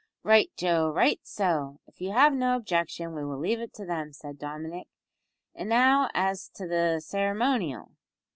"Right, Joe, right, so, if you have no objection, we will leave it to them," said Dominick, "and now as to the ceremonial?"